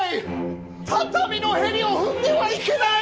畳のへりを踏んではいけない！